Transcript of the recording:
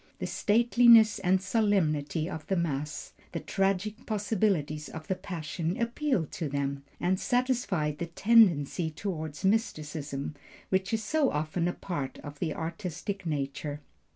The stateliness and solemnity of the Mass, the tragic possibilities of the Passion, appealed to them, and satisfied the tendency toward mysticism, which is so often a part of the artistic nature.